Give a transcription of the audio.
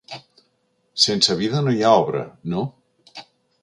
Sense vida no hi ha obra, no?